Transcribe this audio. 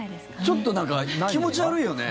ちょっとなんか気持ち悪いよね。